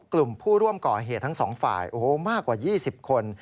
กลุ่มผู้ร่วมก่อเหตุทั้งสองฝ่ายโอ้โหมากกว่า๒๐คน